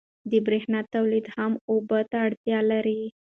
د برېښنا تولید هم اوبو ته اړتیا لري.